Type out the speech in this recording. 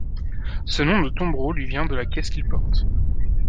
Ce nom de tombereau lui vient de la caisse qu'il porte.